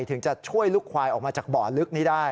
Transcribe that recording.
ถึงจะช่วยลูกควายออกมาจากบ่อลึกนี้ได้